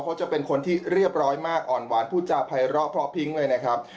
เขาจะเป็นคนที่เรียบร้อยมากอ่อนหวานพูดจาภัยเลาะเพราะพิ้งเลยนะครับ